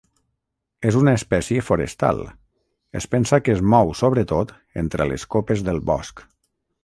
És una espècie forestal, es pensa que es mou sobretot entre les copes del bosc.